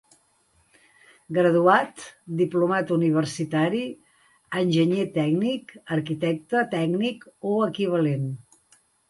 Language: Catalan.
Graduat, diplomat universitari, enginyer tècnic, arquitecte tècnic o equivalent.